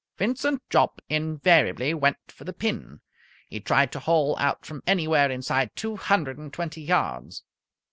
Vincent Jopp invariably went for the pin. He tried to hole out from anywhere inside two hundred and twenty yards.